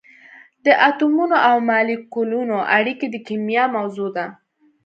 د اتمونو او مالیکولونو اړیکې د کېمیا موضوع ده.